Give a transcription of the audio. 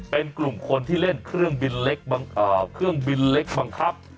เป็นกลุ่มคนที่เล่นเครื่องบินเล็กบังคับ